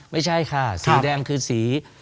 ไม่ใช่ค่ะสีแดงคือสี